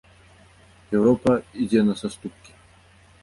Еўропа ідзе на саступкі.